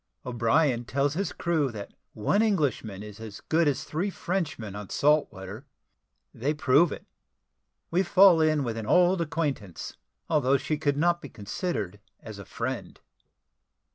O'BRIEN TELLS HIS CREW THAT ONE ENGLISHMAN IS AS GOOD AS THREE FRENCHMEN ON SALT WATER THEY PROVE IT WE FALL IN WITH AN OLD ACQUAINTANCE, ALTHOUGH SHE COULD NOT BE CONSIDERED AS A FRIEND.